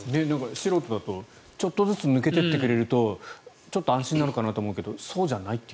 素人だと、ちょっとずつ抜けていってくれるとちょっと安心なのかなと思うけどそうじゃないと。